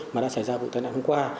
mà đã xảy ra vụ tai nạn hôm qua